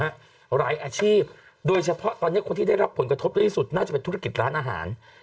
หลายอาชีพโดยเฉพาะตอนนี้คนที่ได้รับผลกระทบด้วยที่สุดน่าจะเป็นธุรกิจร้านอาหาร